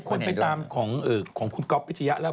คนไปตามของคุณก๊อฟพิชยะแล้ว